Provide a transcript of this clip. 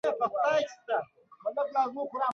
هغه وایی د خمارو لیمو کیف دې سل چنده شي